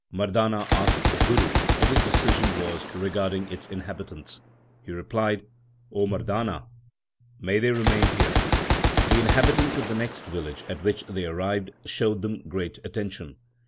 Mardana asked the Guru what his decision was regarding its inhabitants. He replied, O Mardana, may they remain here ! The inhabitants of the next village at which they arrived showed them great attention.